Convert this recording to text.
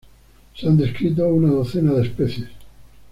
Se han descrito una docena de especies.